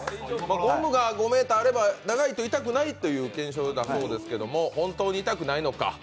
ゴムが５ｍあれば、長いと痛くないという検証ですけれども、本当に痛くないのか。